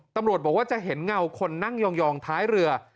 ตำรวจบอกว่าจะเห็นเงาคนนั่งยองท้ายเรือ